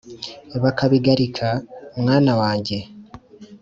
bakabigarika, mwana wajye